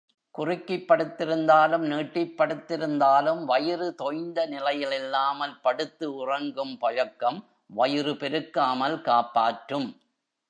குறுக்கிப் படுத்திருந்தாலும், நீட்டிப் படுத்திருந்தாலும் வயிறு தொய்ந்த நிலையில் இல்லாமல் படுத்து உறங்கும் பழக்கம் வயிறு பெருக்காமல் காப்பாற்றும்.